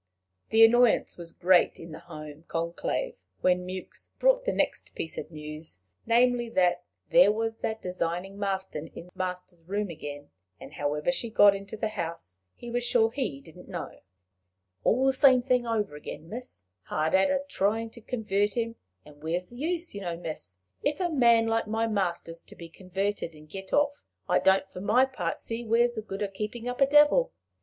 The annoyance was great in the home conclave when Mewks brought the next piece of news namely, that there was that designing Marston in the master's room again, and however she got into the house he was sure he didn't know. "All the same thing over again, miss! hard at it a tryin' to convert 'im! And where's the use, you know, miss? If a man like my master's to be converted and get off, I don't for my part see where's the good o' keepin' up a devil."